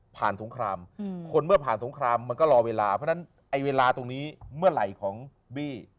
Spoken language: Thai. สงครามคนเมื่อผ่านสงครามมันก็รอเวลาเพราะฉะนั้นไอ้เวลาตรงนี้เมื่อไหร่ของบี้